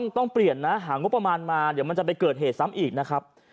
ต้องเปลี่ยนนะหางบประมาณมาเดี๋ยวมันจะไปเกิดเหตุซ้ำอีกนะครับ